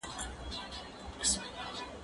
زه هره ورځ اوبه پاکوم!؟